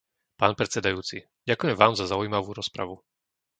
Pán predsedajúci, ďakujem Vám za zaujímavú rozpravu.